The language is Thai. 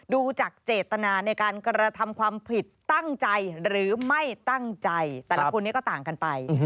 ดูจากเจตนาในการกระทำความผิดตั้งใจหรือไม่ตั้งใจแต่ละคนนี้ก็ต่างกันไป